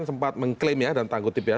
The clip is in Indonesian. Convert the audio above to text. saya sempat mengklaim dan tanggutip ya